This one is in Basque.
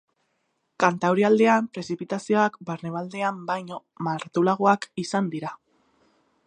Kantaurialdean, prezipitazioak barnealdean baino mardulagoak izan dira.